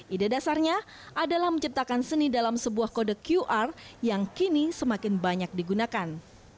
ide dasarnya adalah menciptakan seni dalam sebuah kode qr yang kini semakin banyak digunakan